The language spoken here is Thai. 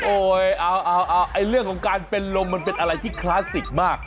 เรื่องของการเป็นลมมันเป็นอะไรที่คลาสสิกมาก